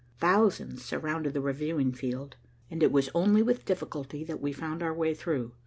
Thousands surrounded the reviewing field, and it was only with difficulty that we found our way through.